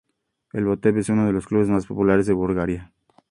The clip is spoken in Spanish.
El Botev es uno de los clubes más populares de Bulgaria.